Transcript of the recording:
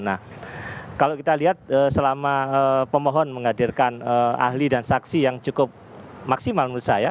nah kalau kita lihat selama pemohon menghadirkan ahli dan saksi yang cukup maksimal menurut saya